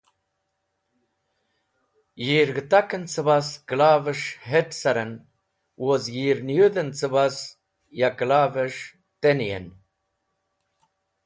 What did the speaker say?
Yirg̃hẽtak en c̃bas kẽlaves̃h het̃ caren woz yirniyũdh en cẽbas, ya kẽlav’es̃h teniyen.